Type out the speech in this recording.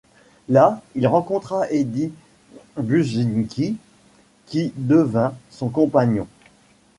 Là, il rencontra Eddie Buczynski qui devint son compagnon.